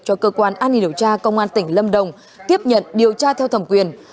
cho cơ quan an ninh điều tra công an tỉnh lâm đồng tiếp nhận điều tra theo thẩm quyền